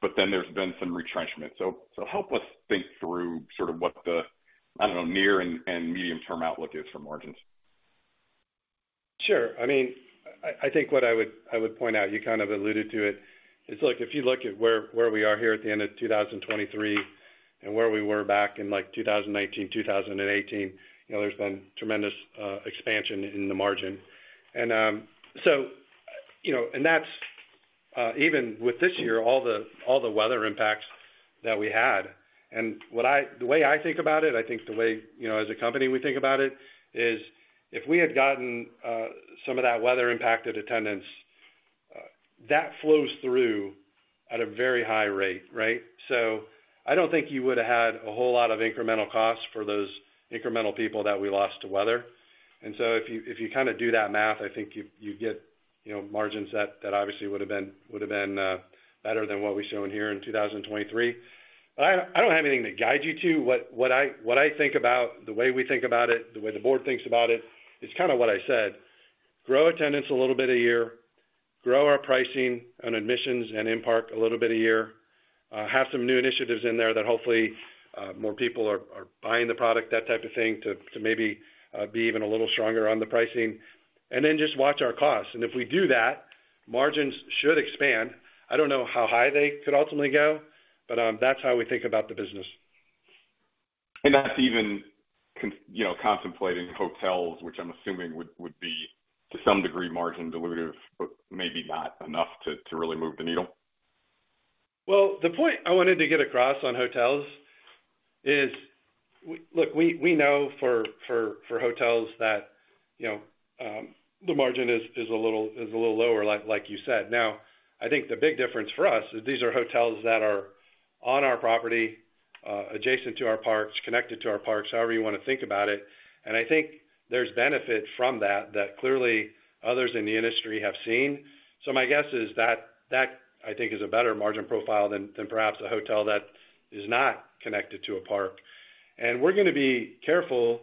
But then there's been some retrenchment. So help us think through sort of what the, I don't know, near- and medium-term outlook is for margins. Sure. I mean, I think what I would point out, you kind of alluded to it, is if you look at where we are here at the end of 2023 and where we were back in 2019, 2018, there's been tremendous expansion in the margin. And that's even with this year, all the weather impacts that we had. And the way I think about it, I think the way as a company, we think about it is if we had gotten some of that weather-impacted attendance, that flows through at a very high rate, right? So I don't think you would have had a whole lot of incremental costs for those incremental people that we lost to weather. And so if you kind of do that math, I think you get margins that obviously would have been better than what we're showing here in 2023. But I don't have anything to guide you to. What I think about, the way we think about it, the way the board thinks about it, is kind of what I said. Grow attendance a little bit a year. Grow our pricing on admissions and in park a little bit a year. Have some new initiatives in there that hopefully more people are buying the product, that type of thing, to maybe be even a little stronger on the pricing. And then just watch our costs. And if we do that, margins should expand. I don't know how high they could ultimately go, but that's how we think about the business. And that's even contemplating hotels, which I'm assuming would be to some degree margin dilutive, but maybe not enough to really move the needle? Well, the point I wanted to get across on hotels is, look, we know for hotels that the margin is a little lower, like you said. Now, I think the big difference for us is these are hotels that are on our property, adjacent to our parks, connected to our parks, however you want to think about it. And I think there's benefit from that that clearly others in the industry have seen. So my guess is that, I think, is a better margin profile than perhaps a hotel that is not connected to a park. And we're going to be careful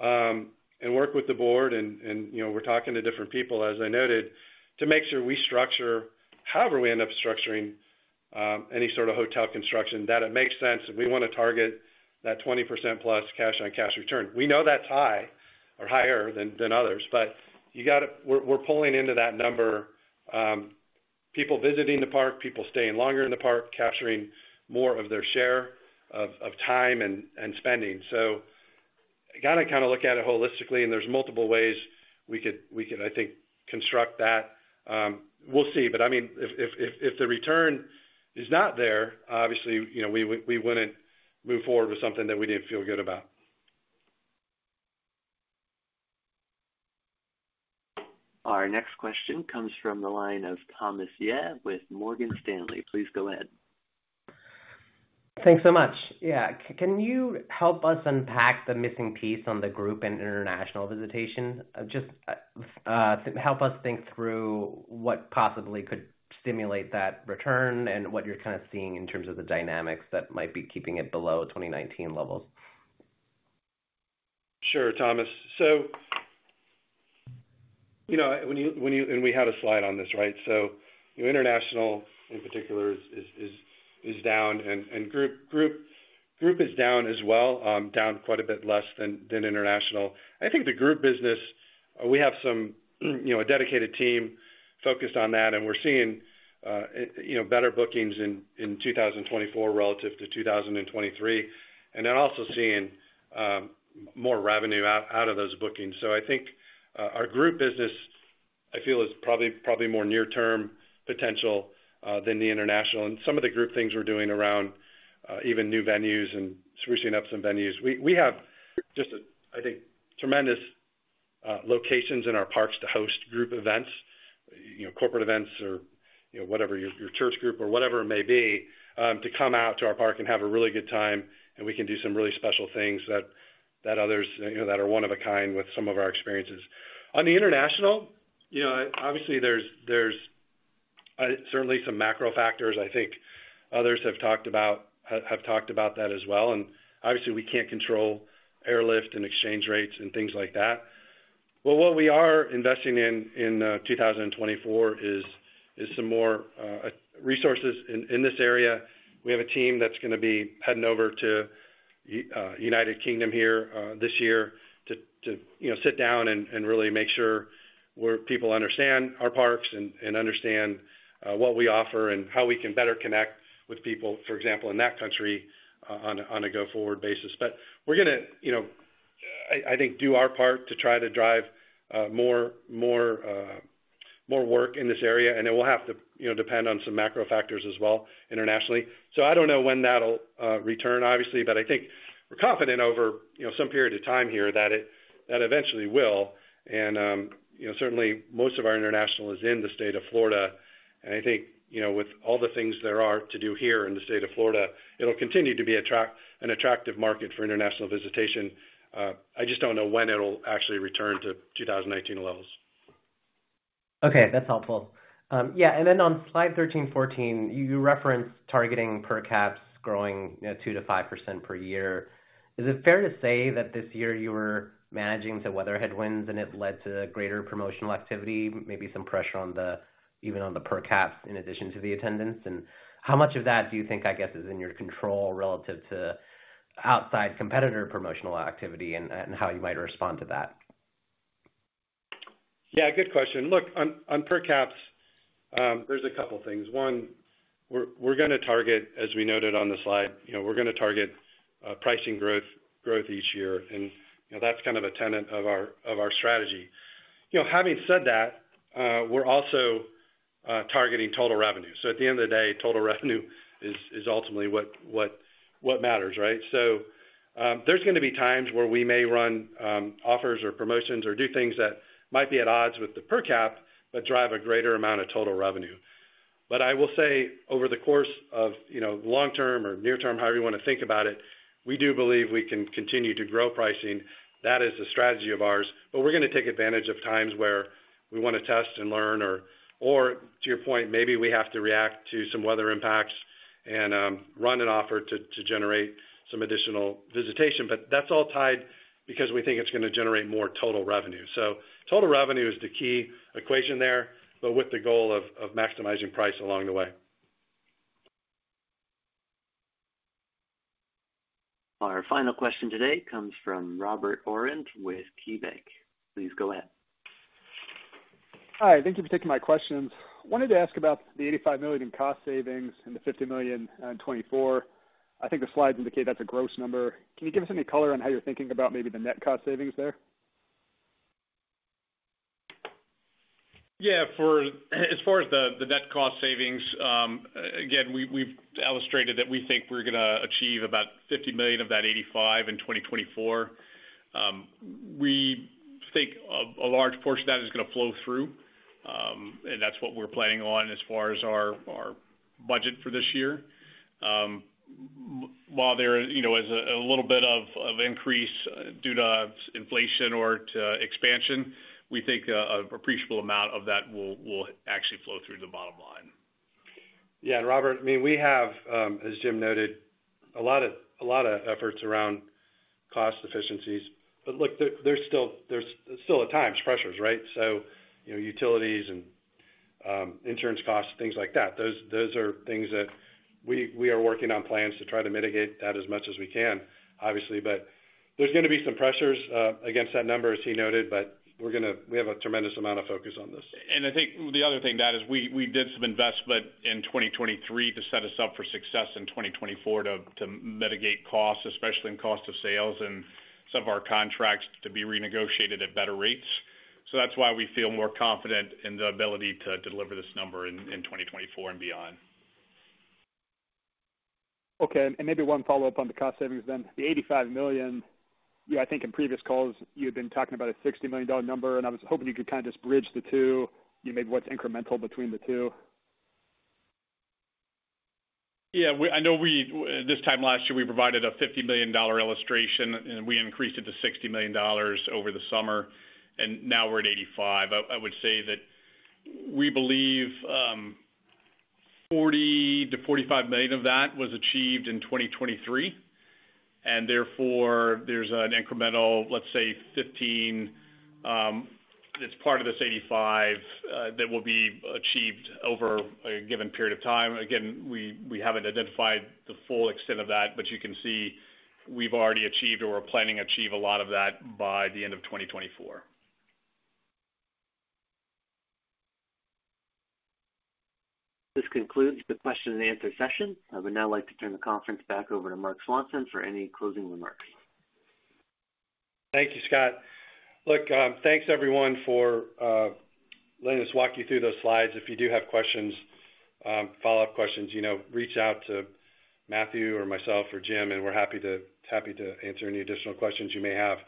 and work with the board. And we're talking to different people, as I noted, to make sure we structure, however we end up structuring any sort of hotel construction, that it makes sense. And we want to target that 20%+ cash-on-cash return. We know that's high or higher than others, but we're pulling into that number: people visiting the park, people staying longer in the park, capturing more of their share of time and spending. So got to kind of look at it holistically. And there's multiple ways we could, I think, construct that. We'll see. But I mean, if the return is not there, obviously, we wouldn't move forward with something that we didn't feel good about. Our next question comes from the line of Thomas Yeh with Morgan Stanley. Please go ahead. Thanks so much. Yeah. Can you help us unpack the missing piece on the group and international visitation? Just help us think through what possibly could stimulate that return and what you're kind of seeing in terms of the dynamics that might be keeping it below 2019 levels. Sure, Thomas. So when you and we had a slide on this, right? So international, in particular, is down. And group is down as well, down quite a bit less than international. I think the group business, we have a dedicated team focused on that. And we're seeing better bookings in 2024 relative to 2023 and then also seeing more revenue out of those bookings. So I think our group business, I feel, is probably more near-term potential than the international. And some of the group things we're doing around even new venues and souping up some venues we have, I think, tremendous locations in our parks to host group events, corporate events, or whatever, your church group or whatever it may be, to come out to our park and have a really good time. We can do some really special things that others that are one of a kind with some of our experiences. On the international, obviously, there's certainly some macro factors. I think others have talked about that as well. And obviously, we can't control airlift and exchange rates and things like that. But what we are investing in 2024 is some more resources in this area. We have a team that's going to be heading over to United Kingdom here this year to sit down and really make sure people understand our parks and understand what we offer and how we can better connect with people, for example, in that country on a go-forward basis. But we're going to, I think, do our part to try to drive more work in this area. And it will have to depend on some macro factors as well internationally. So I don't know when that'll return, obviously. But I think we're confident over some period of time here that it eventually will. And certainly, most of our international is in the state of Florida. And I think with all the things there are to do here in the state of Florida, it'll continue to be an attractive market for international visitation. I just don't know when it'll actually return to 2019 levels. Okay. That's helpful. Yeah. And then on Slide 13, 14, you reference targeting per caps growing 2%-5% per year. Is it fair to say that this year, you were managing some weather headwinds, and it led to greater promotional activity, maybe some pressure even on the per caps in addition to the attendance? How much of that do you think, I guess, is in your control relative to outside competitor promotional activity and how you might respond to that? Yeah. Good question. Look, on per caps, there's a couple of things. One, we're going to target, as we noted on the slide, we're going to target pricing growth each year. That's kind of a tenet of our strategy. Having said that, we're also targeting total revenue. At the end of the day, total revenue is ultimately what matters, right? There's going to be times where we may run offers or promotions or do things that might be at odds with the per cap but drive a greater amount of total revenue. But I will say, over the course of long-term or near-term, however you want to think about it, we do believe we can continue to grow pricing. That is the strategy of ours. But we're going to take advantage of times where we want to test and learn. Or to your point, maybe we have to react to some weather impacts and run an offer to generate some additional visitation. But that's all tied because we think it's going to generate more total revenue. So total revenue is the key equation there, but with the goal of maximizing price along the way. Our final question today comes from Robert Aurand with KeyBanc. Please go ahead. Hi. Thank you for taking my questions. Wanted to ask about the $85 million in cost savings and the $50 million in 2024. I think the slides indicate that's a gross number. Can you give us any color on how you're thinking about maybe the net cost savings there? Yeah. As far as the net cost savings, again, we've illustrated that we think we're going to achieve about $50 million of that $85 million in 2024. We think a large portion of that is going to flow through. That's what we're planning on as far as our budget for this year. While there is a little bit of increase due to inflation or to expansion, we think an appreciable amount of that will actually flow through the bottom line. Yeah. Robert, I mean, we have, as Jim noted, a lot of efforts around cost efficiencies. But look, there's still at times pressures, right? So utilities and insurance costs, things like that. Those are things that we are working on plans to try to mitigate that as much as we can, obviously. But there's going to be some pressures against that number, as he noted. But we have a tremendous amount of focus on this. And I think the other thing that is we did some investment in 2023 to set us up for success in 2024 to mitigate costs, especially in cost of sales and some of our contracts to be renegotiated at better rates. So that's why we feel more confident in the ability to deliver this number in 2024 and beyond. Okay. And maybe one follow-up on the cost savings then. The $85 million, I think in previous calls, you had been talking about a $60 million number. And I was hoping you could kind of just bridge the two, maybe what's incremental between the two. Yeah. I know this time last year, we provided a $50 million illustration. And we increased it to $60 million over the summer. And now we're at $85 million. I would say that we believe $40 million-$45 million of that was achieved in 2023. Therefore, there's an incremental, let's say, $15 million that's part of this $85 million that will be achieved over a given period of time. Again, we haven't identified the full extent of that. You can see we've already achieved or we're planning to achieve a lot of that by the end of 2024. This concludes the question-and-answer session. I would now like to turn the conference back over to Marc Swanson for any closing remarks. Thank you, Scott. Look, thanks, everyone, for letting us walk you through those slides. If you do have questions, follow-up questions, reach out to Matthew or myself or Jim. We're happy to answer any additional questions you may have.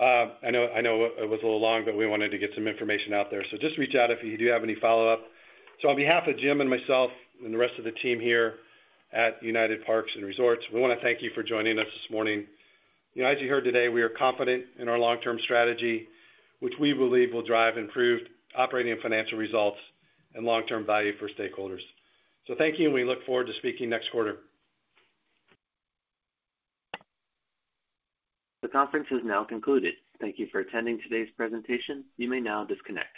I know it was a little long, but we wanted to get some information out there. Just reach out if you do have any follow-up. On behalf of Jim and myself and the rest of the team here at United Parks & Resorts, we want to thank you for joining us this morning. As you heard today, we are confident in our long-term strategy, which we believe will drive improved operating and financial results and long-term value for stakeholders. Thank you. We look forward to speaking next quarter. The conference is now concluded. Thank you for attending today's presentation. You may now disconnect.